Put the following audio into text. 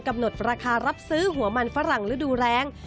กำหนดราคารับซื้อหัวมันฝรั่งฤดูแรง